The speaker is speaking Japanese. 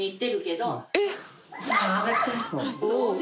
どうぞ。